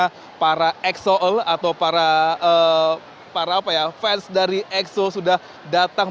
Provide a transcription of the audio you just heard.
bagaimana para exo l atau para fans dari exo sudah datang